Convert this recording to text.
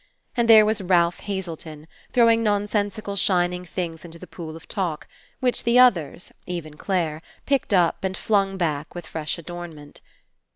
And there was Ralph Hazelton, throwing nonsensical shining things into the pool of talk, which the others, even Clare, picked up and flung back with fresh adornment.